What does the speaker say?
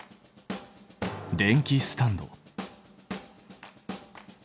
電気スタンド。